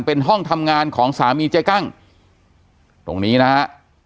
เป็นห้องทำงานของสามีเจ๊กั้งตรงนี้นะฮะ